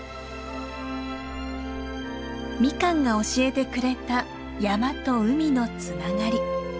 ミカンが教えてくれた山と海のつながり。